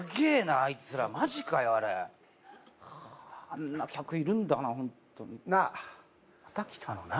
あれかーっあんな客いるんだなホントになあまた来たの何？